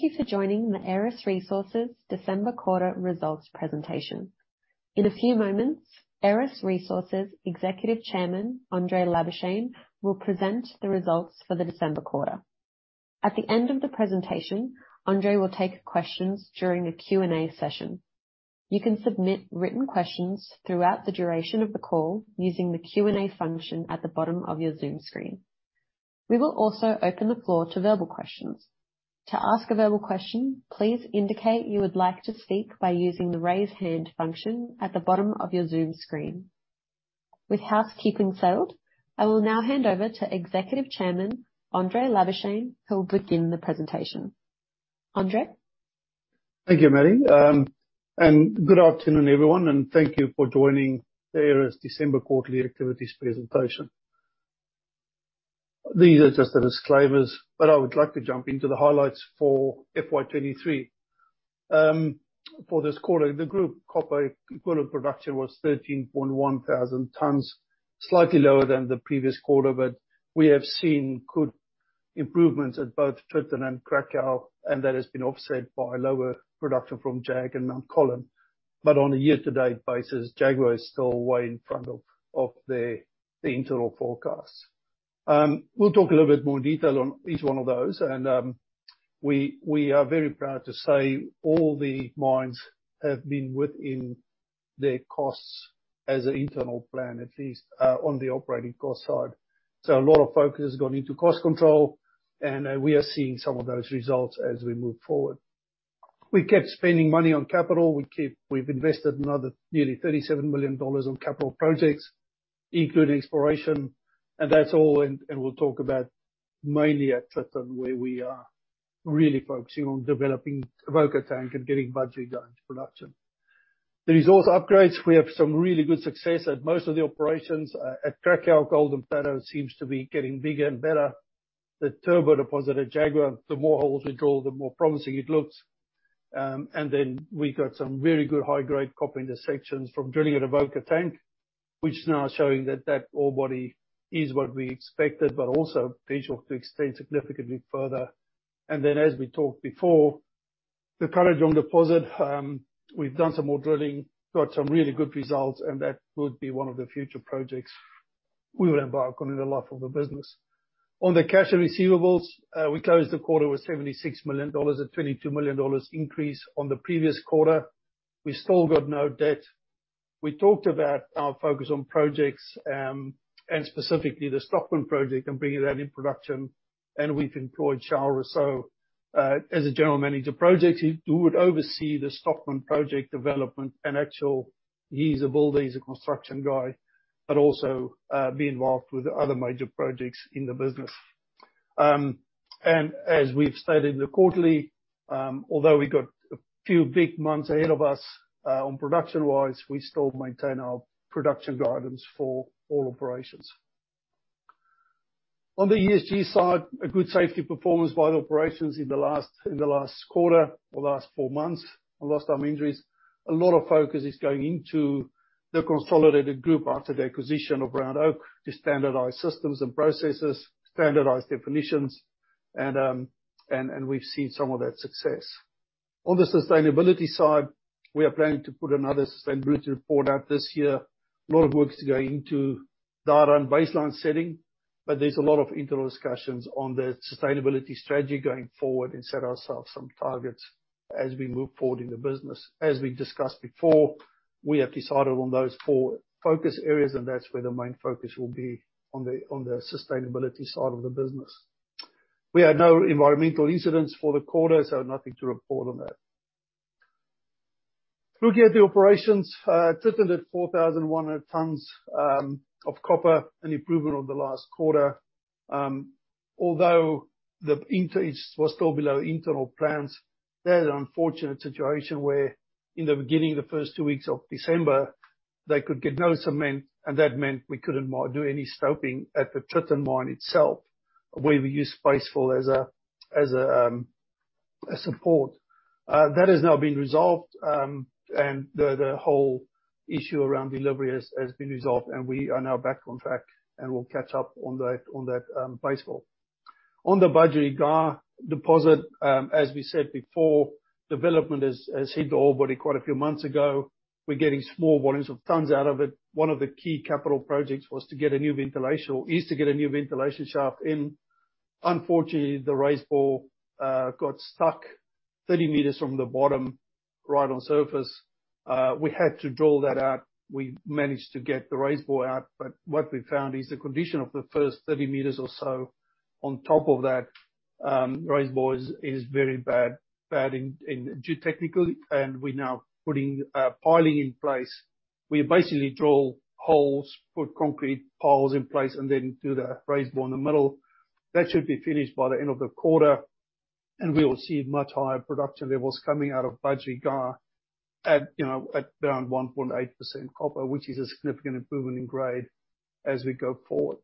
Thank you for joining the Aeris Resources December Quarter Results Presentation. In a few moments, Aeris Resources Executive Chairman, André Labuschagne, will present the results for the December quarter. At the end of the presentation, André will take questions during the Q&A session. You can submit written questions throughout the duration of the call using the Q&A function at the bottom of your Zoom screen. We will also open the floor to verbal questions. To ask a verbal question, please indicate you would like to speak by using the raise hand function at the bottom of your Zoom screen. With housekeeping settled, I will now hand over to Executive Chairman André Labuschagne, who will begin the presentation. André? Thank you, Maddie. Good afternoon, everyone, and thank you for joining the Aeris December quarterly activities presentation. These are just the disclaimers, but I would like to jump into the highlights for FY 2023. For this quarter, the group copper equivalent production was 13.1 thousand tons, slightly lower than the previous quarter, but we have seen good improvements at both Tritton and Cracow, and that has been offset by lower production from Jag and Mt Colin. On a year-to-date basis, Jaguar is still way in front of the internal forecasts. We'll talk a little bit more detail on each one of those, we are very proud to say all the mines have been within their costs as an internal plan, at least, on the operating cost side. A lot of focus has gone into cost control, and we are seeing some of those results as we move forward. We kept spending money on capital. We've invested another nearly 37 million dollars on capital projects, including exploration, and that's all and we'll talk about mainly at Tritton where we are really focusing on developing Avoca Tank and getting Budgerygar going to production. The resource upgrades, we have some really good success at most of the operations. At Cracow, Golden Plateau seems to be getting bigger and better. The Turbo deposit at Jaguar, the more holes we drill, the more promising it looks. We got some very good high-grade copper intersections from drilling at Avoca Tank, which is now showing that that ore body is what we expected, but also visual to extend significantly further. As we talked before, the Carnegie deposit, we've done some more drilling, got some really good results, and that would be one of the future projects we would embark on in the life of a business. On the cash and receivables, we closed the quarter with 76 million dollars, a 22 million dollars increase on the previous quarter. We still got no debt. We talked about our focus on projects, and specifically the Stockman Project and bringing that in production. We've employed Charles Rousseau as a General Manager project who would oversee the Stockman Project development and actual he's a builder, he's a construction guy, but also be involved with the other major projects in the business. As we've stated in the quarterly, although we got a few big months ahead of us, on production-wise, we still maintain our production guidance for all operations. On the ESG side, a good safety performance by the operations in the last quarter or last four months on lost-time injuries. A lot of focus is going into the consolidated group after the acquisition of Round Oak to standardize systems and processes, standardized definitions, and we've seen some of that success. On the sustainability side, we are planning to put another sustainability report out this year. A lot of work is going into data and baseline setting, there's a lot of internal discussions on the sustainability strategy going forward and set ourselves some targets as we move forward in the business. As we discussed before, we have decided on those four focus areas. That's where the main focus will be on the sustainability side of the business. We had no environmental incidents for the quarter. Nothing to report on that. Looking at the operations, Tritton did 4,100 tons of copper, an improvement on the last quarter. Although it was still below internal plans. They had an unfortunate situation where in the beginning, the first two weeks of December, they could get no cement. That meant we couldn't do any stoping at the Tritton mine itself, where we use paste fill as a support. That has now been resolved, and the whole issue around delivery has been resolved. We are now back on track, and we'll catch up on that paste fill. On the Budgerygar deposit, as we said before, development has hit the ore body quite a few months ago. We're getting small volumes of tons out of it. One of the key capital projects was to get a new ventilation or is to get a new ventilation shaft in. Unfortunately, the raise bore got stuck 30 m from the bottom, right on surface. We had to drill that out. We managed to get the raise bore out, but what we found is the condition of the first 30 m or so on top of that raise bore is very bad in geotechnically. We're now putting piling in place. We basically drill holes, put concrete piles in place, then do the raise bore in the middle. That should be finished by the end of the quarter. We will see much higher production levels coming out of Budgerygar at, you know, at around 1.8% copper, which is a significant improvement in grade as we go forward.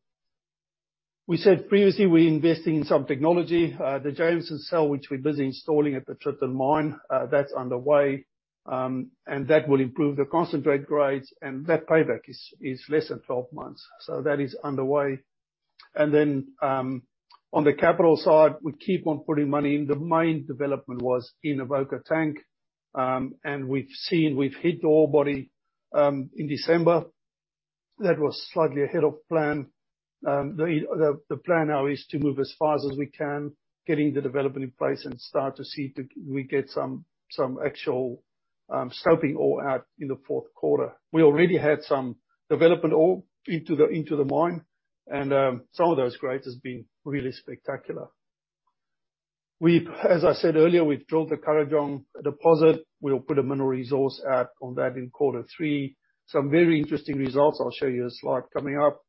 We said previously we're investing in some technology. The Jameson Cell, which we're busy installing at the Tritton mine, that's underway. That will improve the concentrate grades and that payback is less than 12 months. That is underway. On the capital side, we keep on putting money in. The main development was in Avoca Tank, and we've seen, we've hit ore body in December. That was slightly ahead of plan. The plan now is to move as fast as we can getting the development in place and start to see do we get some actual scoping ore out in the fourth quarter. We already had some development ore into the mine, and some of those grades has been really spectacular. As I said earlier, we've drilled the Kurrajong deposit. We'll put a mineral resource out on that in quarter three. Some very interesting results. I'll show you a slide coming up.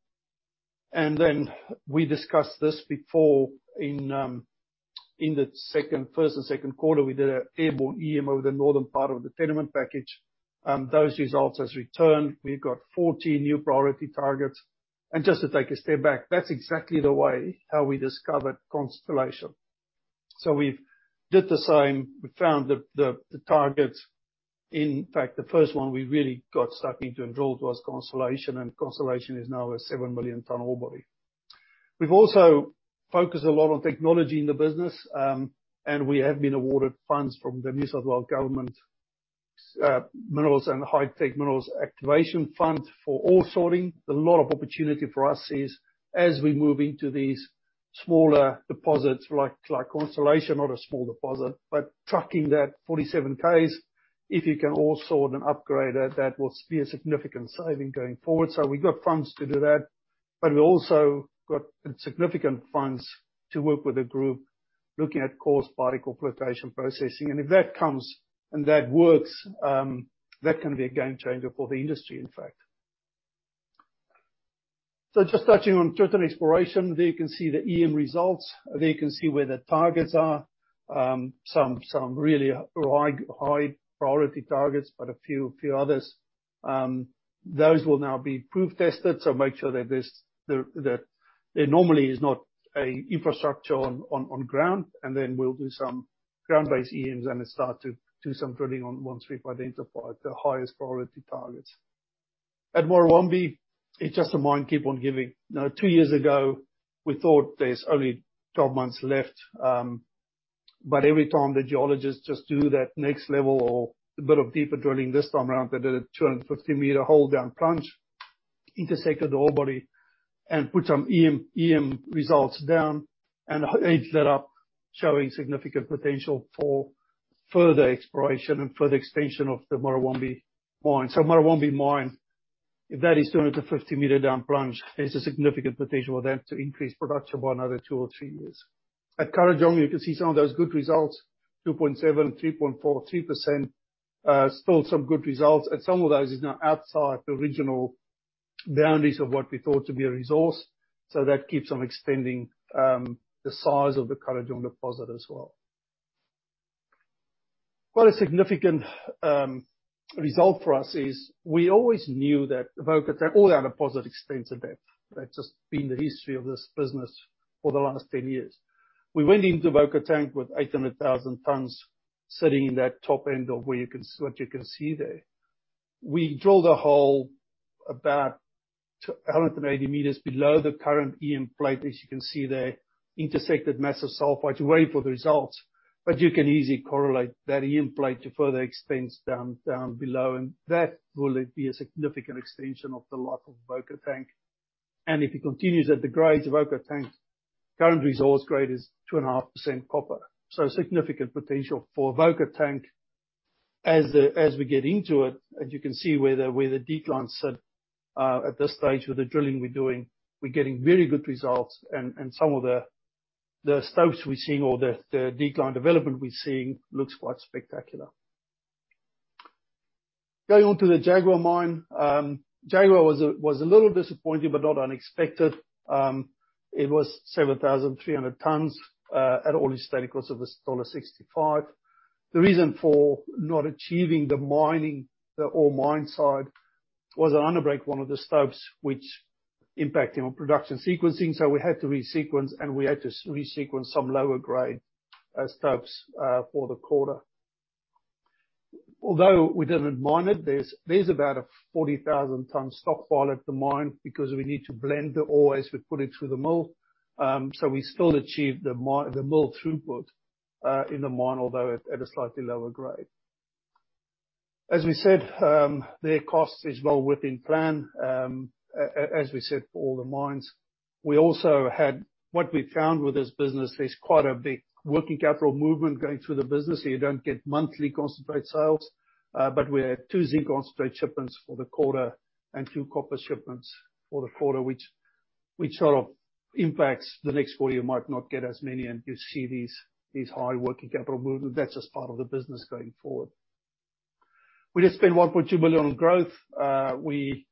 We discussed this before in the first and second quarter, we did an airborne EM over the northern part of the tenement package. Those results has returned. We've got 14 new priority targets. Just to take a step back, that's exactly the way how we discovered Constellation. We've did the same. We found the targets. In fact, the first one we really got stuck into and drilled was Constellation is now a 7 million tons ore body. We've also focused a lot on technology in the business, we have been awarded funds from the New South Wales government, Critical Minerals and High-Tech Metals Activation Fund for ore sorting. A lot of opportunity for us is as we move into these smaller deposits like Constellation, not a small deposit, but trucking that 47Ks, if you can ore sort and upgrade it, that will be a significant saving going forward. We got funds to do that, but we also got significant funds to work with a group looking at coarse particle flotation processing. If that comes and that works, that can be a game changer for the industry, in fact. Just touching on total exploration. There you can see the EM results. There you can see where the targets are. Some really high priority targets, but a few others. Those will now be proof tested, make sure that there normally is not a infrastructure on ground, and then we'll do some ground-based EMs and start to do some drilling once we've identified the highest priority targets. At Murrawombie, it's just a mine keep on giving. Two years ago, we thought there's only 12 months left, every time the geologists just do that next level or a bit of deeper drilling, this time around they did a 250 m hole down plunge, intersected the ore body and put some EM results down and it ended up showing significant potential for further exploration and further extension of the Murrawombie mine. Murrawombie mine, if that is 250 m down plunge, there's a significant potential there to increase production by another two or three years. At Kurrajong, you can see some of those good results, 2.7, 3.4, 3%, still some good results, and some of those is now outside the original boundaries of what we thought to be a resource, so that keeps on extending the size of the Kurrajong deposit as well. Well, a significant result for us is we always knew that Avoca Tank, all our deposits extends to depth. That's just been the history of this business for the last 10 years. We went into Avoca Tank with 800,000 tons sitting in that top end of where you can what you can see there. We drilled a hole about 280 m below the current EM plate, as you can see there, intersected massive sulfide to wait for the results. You can easily correlate that EM plate to further extents down below, and that will be a significant extension of the life of Avoca Tank. If it continues at the grades, Avoca Tank current resource grade is 2.5% copper, significant potential for Avoca Tank as we get into it, as you can see where the declines sit at this stage with the drilling we're doing, we're getting very good results and some of the stopes we're seeing or the decline development we're seeing looks quite spectacular. Going on to the Jaguar mine. Jaguar was a little disappointing but not unexpected. It was 7,300 tons at all-in sustaining costs of just dollar 1.65. The reason for not achieving the mining, the ore mine site, was an underbreak one of the stopes which impacting on production sequencing, so we had to resequence, and we had to resequence some lower grade stopes for the quarter. Although we didn't mine it, there's about a 40,000 tons stockpile at the mine because we need to blend the ore as we put it through the mill. We still achieved the mill throughput in the mine, although at a slightly lower grade. As we said, their cost is well within plan, as we said, for all the mines. What we found with this business, there's quite a big working capital movement going through the business, you don't get monthly concentrate sales. We had two zinc concentrate shipments for the quarter and two copper shipments for the quarter, which sort of impacts the next quarter, you might not get as many, and you see these high working capital movements. That's just part of the business going forward. We just spent 1.2 billion on growth. We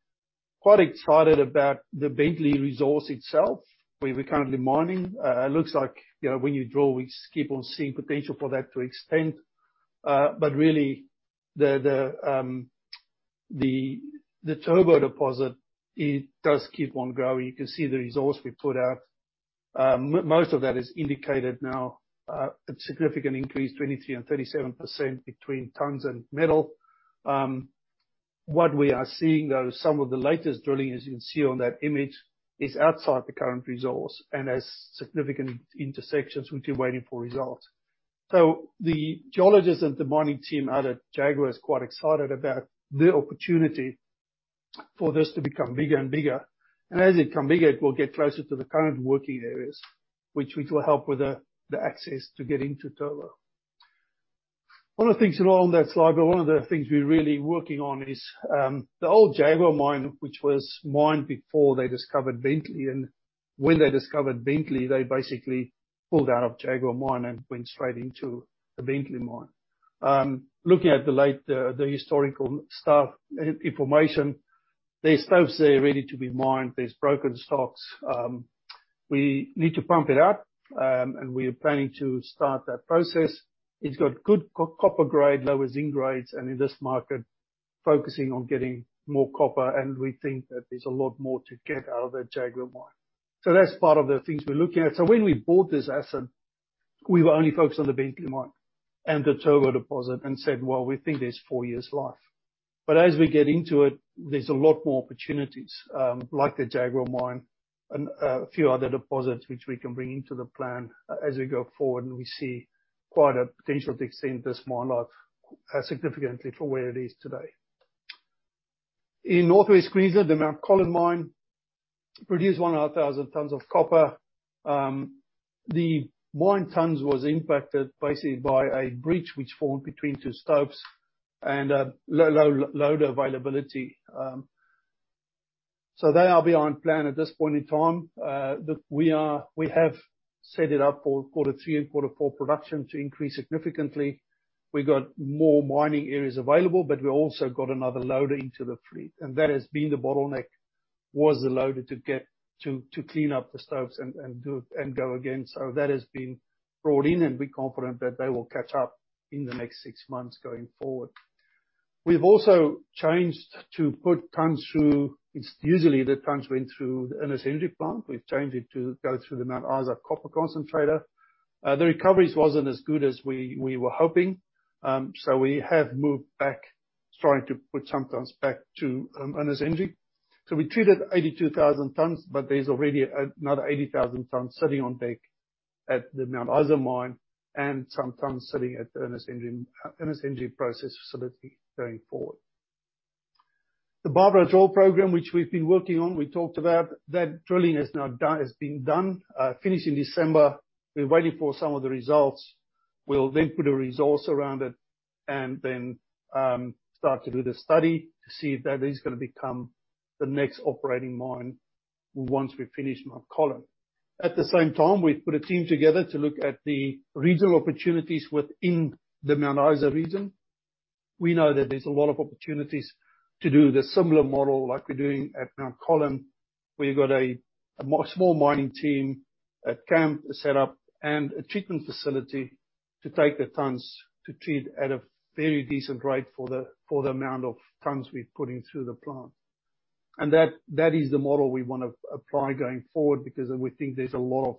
quite excited about the Bentley resource itself where we're currently mining. It looks like, you know, when you drill, we keep on seeing potential for that to extend. Really the Turbo deposit, it does keep on growing. You can see the resource we put out. Most of that is indicated now. A significant increase, 23% and 37% between tons and metal. What we are seeing, though, some of the latest drilling, as you can see on that image, is outside the current resource and has significant intersections which we're waiting for results. The geologists and the mining team out at Jaguar is quite excited about the opportunity for this to become bigger and bigger. As it become bigger, it will get closer to the current working areas, which will help with the access to get into Turbo. One of the things that are on that slide, but one of the things we're really working on is the old Jaguar mine, which was mined before they discovered Bentley. When they discovered Bentley, they basically pulled out of Jaguar mine and went straight into the Bentley mine. Looking at the late, the historical stuff, information, there's stopes there ready to be mined. There's broken stopes. We need to pump it out, and we're planning to start that process. It's got good copper grade, lower zinc grades, and in this market, focusing on getting more copper, and we think that there's a lot more to get out of that Jaguar mine. That's part of the things we're looking at. When we bought this asset, we were only focused on the Bentley mine and the Turbo deposit and said, "Well, we think there's four years life." As we get into it, there's a lot more opportunities, like the Jaguar mine and a few other deposits which we can bring into the plan as we go forward, and we see quite a potential to extend this mine life significantly from where it is today. In Northwest Queensland, the Mt Colin mine produced 100,000 tons of copper. The mined tons was impacted basically by a breach which formed between two stopes and loader availability. They are behind plan at this point in time. We have set it up for quarter three and quarter four production to increase significantly. We got more mining areas available. We also got another loader into the fleet, and that has been the bottleneck, was the loader to get to clean up the stopes and do it and go again. That has been brought in, and we're confident that they will catch up in the next six months going forward. We've also changed to put tons through. It's usually the tons went through the Ernest Henry Plant. We've changed it to go through the Mount Isa Copper Concentrator. The recoveries wasn't as good as we were hoping, so we have moved back, starting to put some tons back to Ernest Henry. We treated 82,000 tons, but there's already another 80,000 tons sitting on deck at the Mount Isa mine and some tons sitting at the Ernest Henry process facility going forward. The Barbara drill program, which we've been working on, we talked about, that drilling is now done, it's been done, finished in December. We're waiting for some of the results. We'll then put a resource around it and then start to do the study to see if that is gonna become the next operating mine once we finish Mt Colin. At the same time, we've put a team together to look at the regional opportunities within the Mount Isa region. We know that there's a lot of opportunities to do the similar model like we're doing at Mt Colin, where you got a small mining team, a camp set up, and a treatment facility to take the tons to treat at a very decent rate for the, for the amount of tons we're putting through the plant. That is the model we wanna apply going forward because we think there's a lot of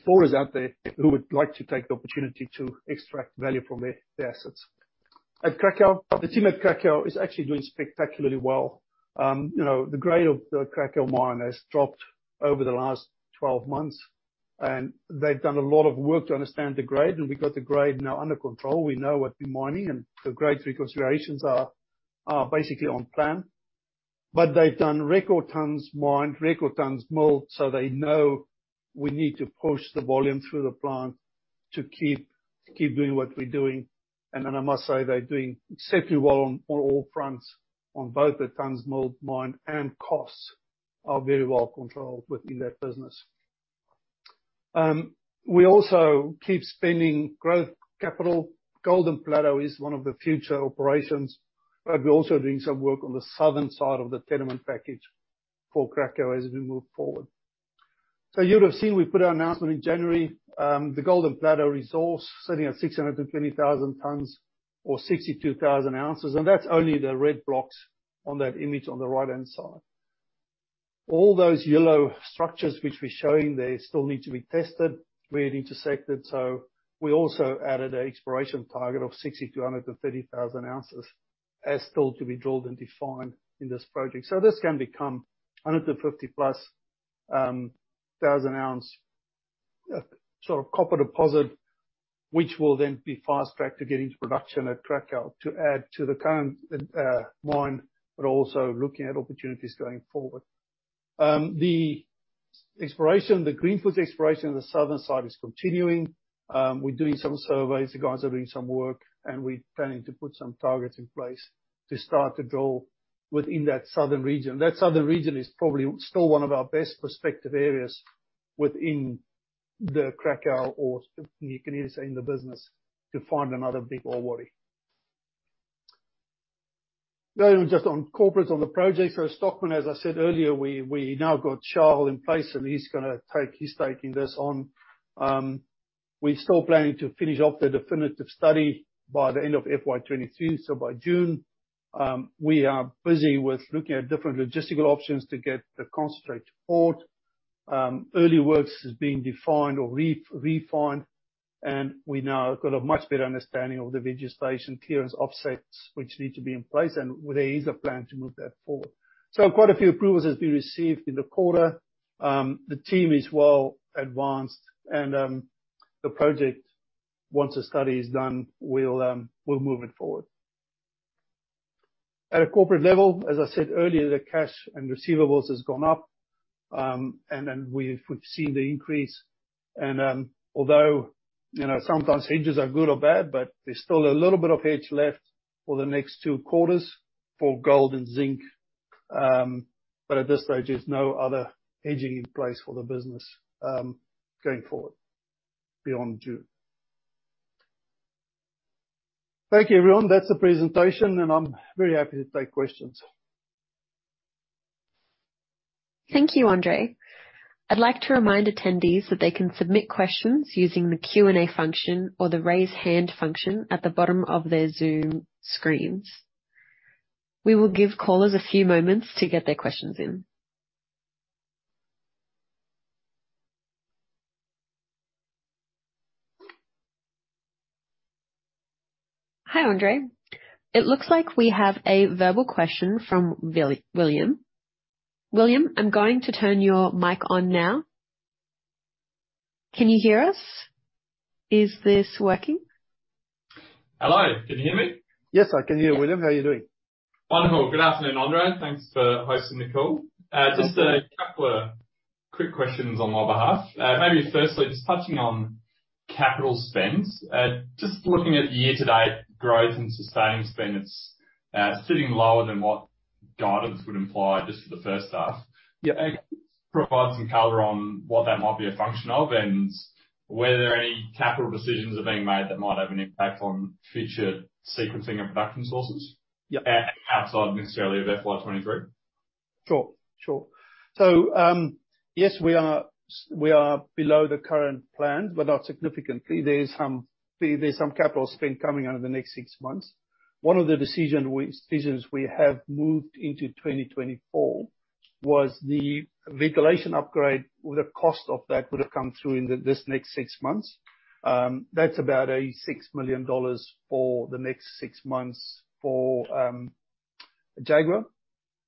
explorers out there who would like to take the opportunity to extract value from their assets. At Cracow, the team at Cracow is actually doing spectacularly well. You know, the grade of the Cracow mine has dropped over the last 12 months, and they've done a lot of work to understand the grade, and we got the grade now under control. We know what we're mining, and the grade reconciliations are basically on plan. They've done record tons mined, record tons milled, so they know we need to push the volume through the plant to keep doing what we're doing. I must say they're doing exceptionally well on all fronts on both the tons milled, mined, and costs are very well controlled within that business. We also keep spending growth capital. Golden Plateau is one of the future operations, but we're also doing some work on the southern side of the tenement package for Cracow as we move forward. You would have seen we put our announcement in January, the Golden Plateau resource sitting at 620,000 tons or 62,000 oz, and that's only the red blocks on that image on the right-hand side. All those yellow structures which we're showing there still need to be tested. We had intersected, so we also added an exploration target of 60-130,000 oz as still to be drilled and defined in this project. This can become 150+ thousand oz sort of copper deposit, which will then be fast-tracked to get into production at Cracow to add to the current mine, also looking at opportunities going forward. The exploration, the greenfield exploration on the Southern side is continuing. We're doing some surveys. The guys are doing some work, and we're planning to put some targets in place to start to drill within that Southern region. That S outhern region is probably still one of our best prospective areas within the Cracow or you can even say in the business to find another big ore body. Now just on corporates on the project. Stockman, as I said earlier, we now got Charles in place, and he's taking this on. We're still planning to finish off the definitive study by the end of FY 2023, so by June. We are busy with looking at different logistical options to get the concentrate to port. Early works is being defined or re-refined, and we now got a much better understanding of the vegetation clearance offsets which need to be in place, and there is a plan to move that forward. Quite a few approvals has been received in the quarter. The team is well advanced and the project, once the study is done, we'll move it forward. At a corporate level, as I said earlier, the cash and receivables has gone up, and then we've seen the increase and, although, you know, sometimes hedges are good or bad, but there's still a little bit of hedge left for the next two quarters for gold and zinc. At this stage, there's no other hedging in place for the business, going forward beyond June. Thank you, everyone. That's the presentation. I'm very happy to take questions. Thank you, André. I'd like to remind attendees that they can submit questions using the Q&A function or the raise hand function at the bottom of their Zoom screens. We will give callers a few moments to get their questions in. Hi, André. It looks like we have a verbal question from William. William, I'm going to turn your mic on now. Can you hear us? Is this working? Hello. Can you hear me? Yes, I can hear you, William. How are you doing? Wonderful. Good afternoon, André. Thanks for hosting the call. Just a couple of quick questions on my behalf. Maybe firstly, just touching on capital spends. Just looking at year-to-date growth and sustaining spends, sitting lower than what guidance would imply just for the first half. Can you provide some color on what that might be a function of, and whether any capital decisions are being made that might have an impact on future sequencing and production sources? Outside of necessarily of FY 2023. Sure. Sure. Yes, we are below the current plans, but not significantly. There's some capital spend coming out of the next six months. One of the decisions we have moved into 2024 was the ventilation upgrade. The cost of that would have come through in this next six months. That's about 6 million dollars for the next six months for Jaguar.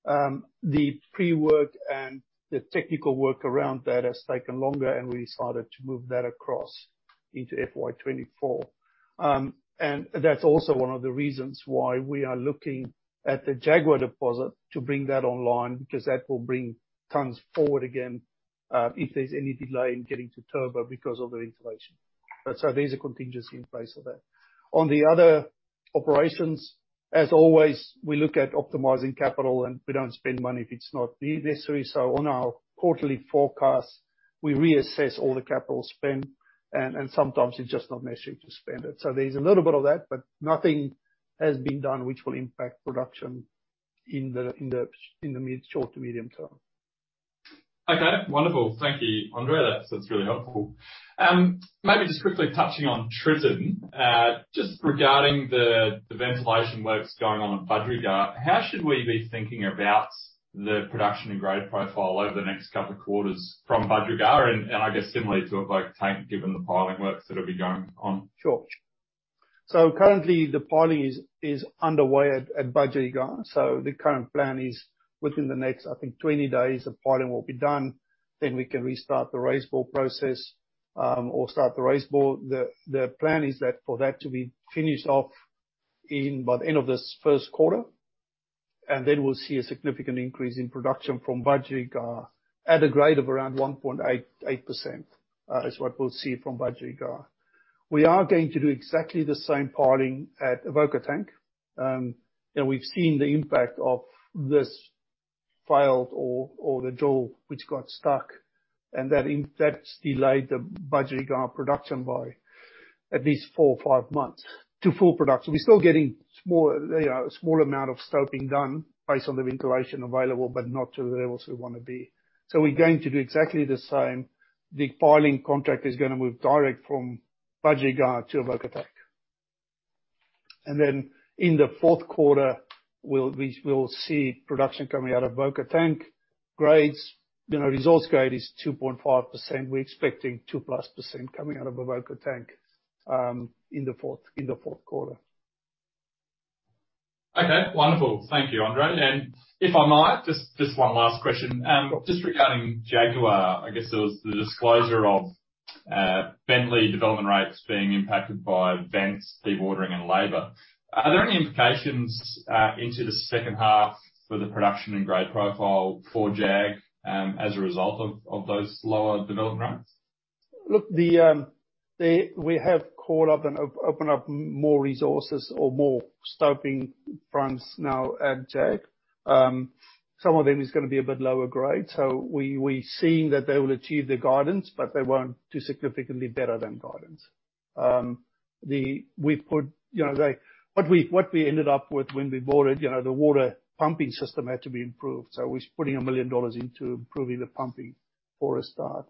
The pre-work and the technical work around that has taken longer, and we decided to move that across into FY 2024. And that's also one of the reasons why we are looking at the Jaguar deposit to bring that online, because that will bring tons forward again, if there's any delay in getting to Turbo because of the ventilation. There's a contingency in place for that. On the other operations, as always, we look at optimizing capital. We don't spend money if it's not necessary. On our quarterly forecast, we reassess all the capital spend, and sometimes it's just not necessary to spend it. There's a little bit of that. Nothing has been done which will impact production in the short to medium term. Okay, wonderful. Thank you, André. That's, that's really helpful. Maybe just quickly touching on Tritton, just regarding the ventilation works going on in Budgerygar, how should we be thinking about the production and grade profile over the next couple of quarters from Budgerygar and I guess similarly to Avoca Tank, given the piling works that'll be going on? Currently the piling is underway at Budgerygar. The current plan is within the next, I think 20 days, the piling will be done, then we can restart the raise bore process or start the raise bore. The plan is that for that to be finished off in by the end of this first quarter, then we'll see a significant increase in production from Budgerygar at a grade of around 1.88% is what we'll see from Budgerygar. We are going to do exactly the same piling at Avoca Tank. You know, we've seen the impact of this failed or the drill which got stuck, that's delayed the Budgerygar production by at least four or five months to full production. We're still getting small, you know, a small amount of stoping done based on the ventilation available, but not to the levels we wanna be. We're going to do exactly the same. The piling contract is gonna move direct from Budgerygar to Avoca Tank. In the fourth quarter, we'll see production coming out of Avoca Tank. Grades, you know, resource grade is 2.5%. We're expecting 2%+ coming out of Avoca Tank in the fourth quarter. Okay, wonderful. Thank you, André. If I might, just one last question. Just regarding Jaguar. I guess there was the disclosure of Bentley development rates being impacted by vents, deep watering and labor. Are there any implications into the second half for the production and grade profile for Jag, as a result of those lower development rates? Look, the we have called up and opened up more resources or more stoping fronts now at Jag. Some of them is gonna be a bit lower grade, so we're seeing that they will achieve their guidance, but they won't do significantly better than guidance. We've put, you know, what we ended up with when we bought it, you know, the water pumping system had to be improved, so we're putting 1 million dollars into improving the pumping for a start.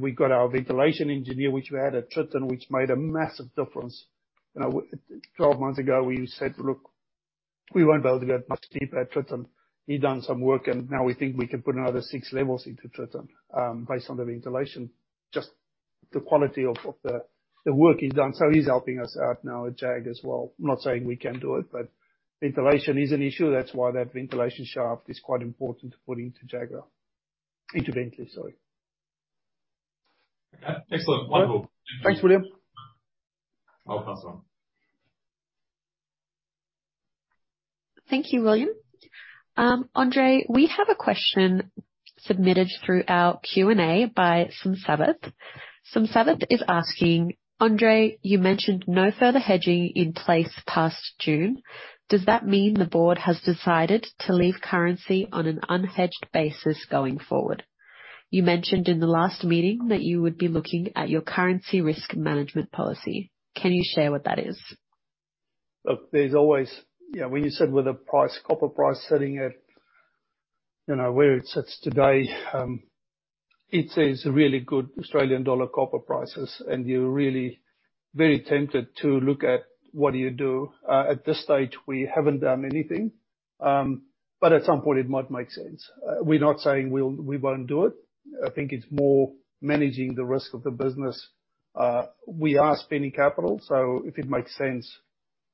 We got our ventilation engineer, which we had at Tritton, which made a massive difference. You know, 12 months ago, we said, "Look, We won't be able to get much deeper at Tritton. He'd done some work, and now we think we can put another six levels into Tritton, based on the ventilation. Just the quality of the work he's done. He's helping us out now at Jag as well. I'm not saying we can do it, ventilation is an issue. That's why that ventilation shaft is quite important to put into Jaguar, into Bentley, sorry. Okay. Excellent. Wonderful. Thanks, William. I'll pass on. Thank you, William. André, we have a question submitted through our Q&A by Samsath. Samsath is asking: André, you mentioned no further hedging in place past June. Does that mean the board has decided to leave currency on an unhedged basis going forward? You mentioned in the last meeting that you would be looking at your currency risk management policy. Can you share what that is? You know, when you said with the price, copper price sitting at, you know, where it sits today, it is really good Australian dollar copper prices, and you're really very tempted to look at what do you do? At this stage, we haven't done anything. At some point it might make sense. We're not saying we won't do it. I think it's more managing the risk of the business. We are spending capital, so if it makes sense,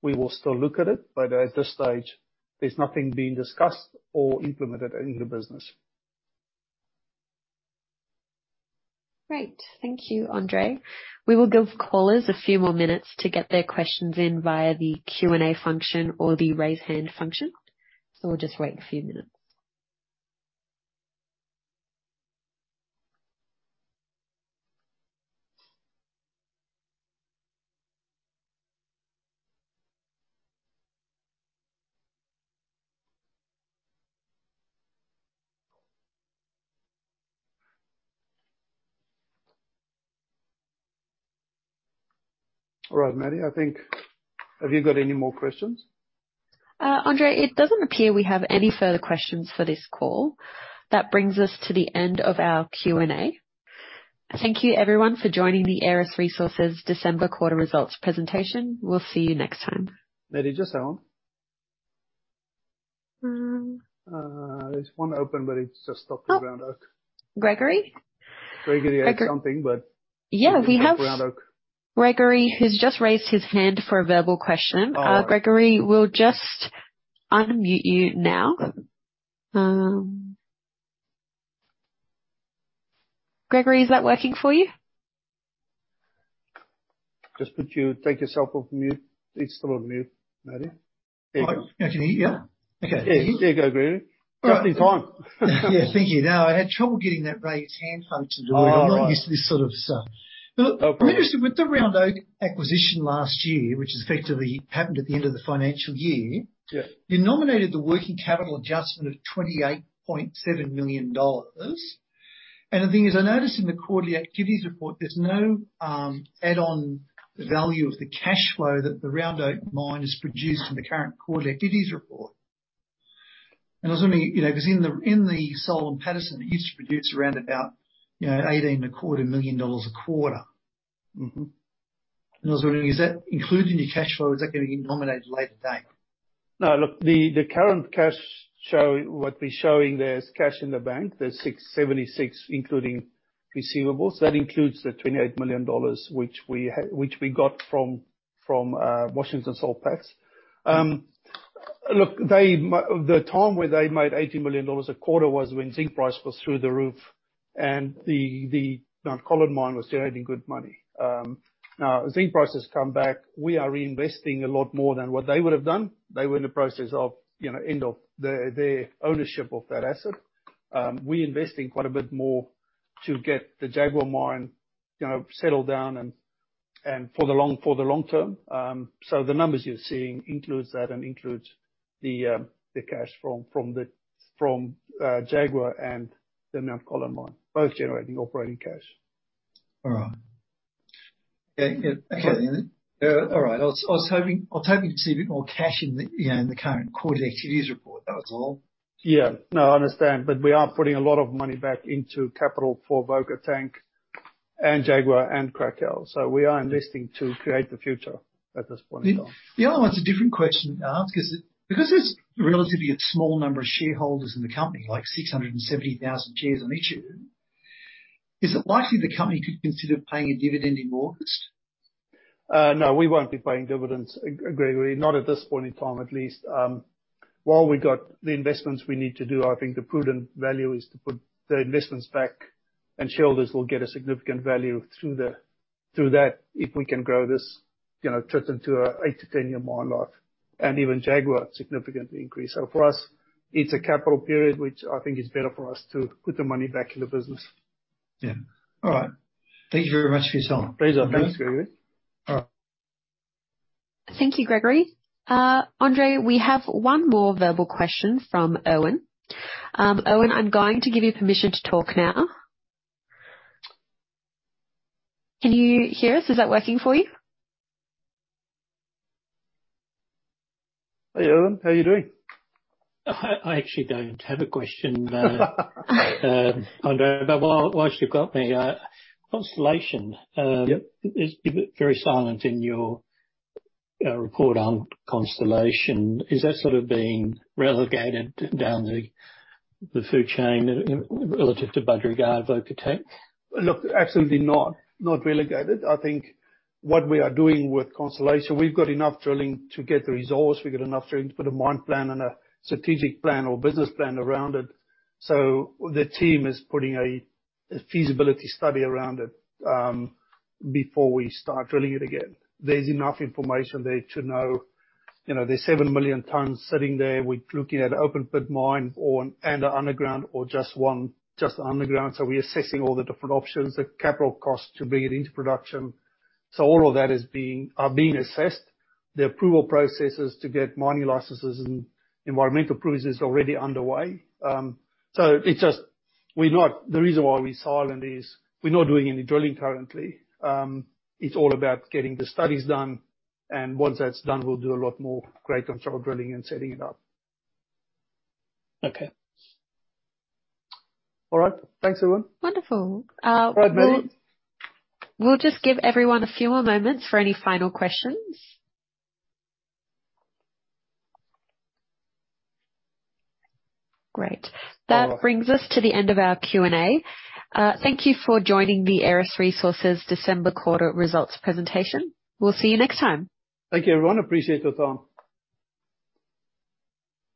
we will still look at it. At this stage there's nothing being discussed or implemented in the business. Great. Thank you, André. We will give callers a few more minutes to get their questions in via the Q&A function or the raise hand function. We'll just wait a few minutes. All right, Maddie. Have you got any more questions? André, it doesn't appear we have any further questions for this call. That brings us to the end of our Q&A. Thank you everyone for joining the Aeris Resources December Quarter Results Presentation. We'll see you next time. Maddie, just hang on. Um. There's one open, but it's just stopped at Round Oak. Gregory? Gregory has something. Yeah. Round Oak. Gregory, who's just raised his hand for a verbal question. All right. Gregory, we'll just unmute you now. Gregory, is that working for you? Just take yourself off mute. It's still on mute, Maddie. There you go. Now can you hear me? Yeah. Okay. Yeah. There you go, Gregory. Just in time. Yeah. Thank you. I had trouble getting that raise hand function to work. Oh, all right. I'm not used to this sort of stuff. Okay. I'm interested, with the Round Oak acquisition last year, which effectively happened at the end of the financial year. Yeah. You nominated the working capital adjustment of 28.7 million dollars. The thing is, I noticed in the quarterly activities report, there's no add-on value of the cash flow that the Round Oak mine has produced in the current quarter activities report. I was wondering, you know, because in the, in the Soul Pattinson, it used to produce around about, you know, 18,250,000 dollars a quarter. Mm-hmm. I was wondering, is that included in your cash flow? Is that gonna get nominated later date? No. Look, the current cash what we're showing there is cash in the bank. There's 676 including receivables. That includes the 28 million dollars which we got from Washington H. Soul Pattinson. Look, the time where they made 80 million dollars a quarter was when zinc price was through the roof and the Mt Colin mine was generating good money. Now, zinc prices come back. We are reinvesting a lot more than what they would have done. They were in the process of, you know, end of their ownership of that asset. We invest in quite a bit more to get the Jaguar mine, you know, settled down and for the long term. The numbers you're seeing includes that and includes the cash from Jaguar and the Mt Colin mine, both generating operating cash. All right. Yeah, yeah. Okay. all right. I was hoping to see a bit more cash in the, you know, in the current quarter activities report. That was all. Yeah. No, I understand. We are putting a lot of money back into capital for Avoca Tank and Jaguar and Cracow. We are investing to create the future at this point in time. The other one's a different question to ask. Because there's a relatively a small number of shareholders in the company, like 670,000 shares on each of them, is it likely the company could consider paying a dividend in August? No, we won't be paying dividends, Gregory. Not at this point in time, at least. While we got the investments we need to do, I think the prudent value is to put the investments back, shareholders will get a significant value through that if we can grow this, you know, turn into a eight to 10-year mine life, and even Jaguar significantly increase. For us, it's a capital period which I think is better for us to put the money back in the business. Yeah. All right. Thank you very much for your time. Pleasure. Thanks, Gregory. All right. Thank you, Gregory. André, we have one more verbal question from Owen. Owen, I'm going to give you permission to talk now. Can you hear us? Is that working for you? Hi, Owen. How are you doing? I actually don't have a question, André, whilst you've got me, Constellation. Yep. Is very silent in your report on Constellation. Is that sort of been relegated down the food chain relative to Budgerygar and Avoca Tank? Look, absolutely not. Not relegated. I think what we are doing with Constellation, we've got enough drilling to get the resource. We've got enough drilling to put a mine plan and a strategic plan or business plan around it. The team is putting a feasibility study around it before we start drilling it again. There's enough information there to know. You know, there's 7 million tons sitting there. We're looking at open pit mine or, and a underground or just one, just underground. We're assessing all the different options, the capital cost to bring it into production. All of that is being assessed. The approval processes to get mining licenses and environmental approvals is already underway. It's just we're not. The reason why we're silent is we're not doing any drilling currently. It's all about getting the studies done, and once that's done, we'll do a lot more grade control drilling and setting it up. Okay. All right. Thanks, everyone. Wonderful. All right, Maddie. We'll just give everyone a few more moments for any final questions. Great. All right. That brings us to the end of our Q&A. Thank you for joining the Aeris Resources December Quarter Results Presentation. We'll see you next time. Thank you, everyone. Appreciate your time.